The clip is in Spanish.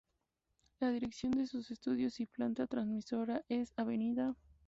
La dirección de sus estudios y planta Transmisora es: Av.